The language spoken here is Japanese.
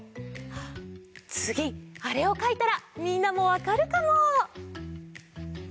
あっつぎあれをかいたらみんなもわかるかも！